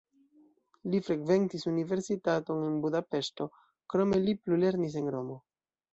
Li frekventis universitaton en Budapeŝto, krome li plulernis en Romo.